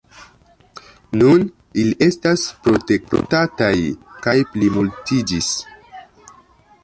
Nun ili estas protektataj kaj plimultiĝis.